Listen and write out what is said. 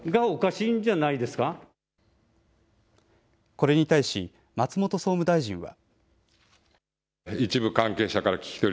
これに対し松本総務大臣は。